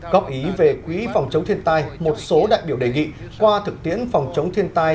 góp ý về quỹ phòng chống thiên tai một số đại biểu đề nghị qua thực tiễn phòng chống thiên tai